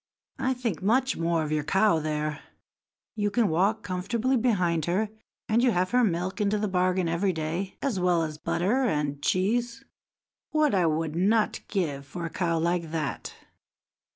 I think much more of your cow there. You can walk comfortably behind her, and you have her milk into the bargain every day, as well as butter and cheese. What would I not give for a cow like that!"